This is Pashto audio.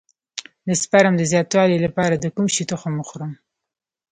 د سپرم د زیاتوالي لپاره د کوم شي تخم وخورم؟